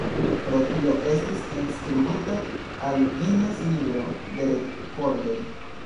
Pro tio estis enskribita al Guinness-libro de rekordoj.